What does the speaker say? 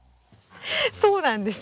そうなんです。